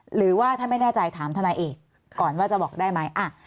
หรือว่าถ้าไม่แน่ใจถามทนายเอกก่อนว่าจะบอกได้ไหม